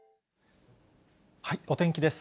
お天気です。